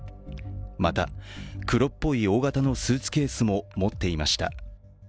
また、黒っぽい大型のスーツケースも持っていました。